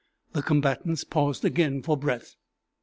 The combatants paused again for breath.